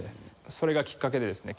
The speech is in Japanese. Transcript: それがきっかけでですね